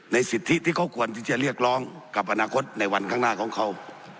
สิทธิที่เขาควรที่จะเรียกร้องกับอนาคตในวันข้างหน้าของเขา